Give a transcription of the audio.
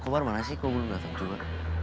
kok baru nasi kok belum datang juga